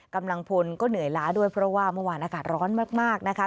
กำลังพลก็เหนื่อยล้าด้วยเพราะว่าเมื่อวานอากาศร้อนมากนะคะ